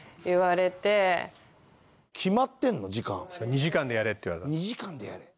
２時間でやれって言われたの。